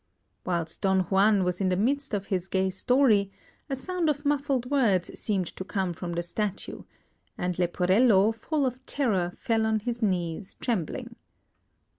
Whilst Don Juan was in the midst of his gay story, a sound of muffled words seemed to come from the Statue; and Leporello, full of terror, fell on his knees, trembling.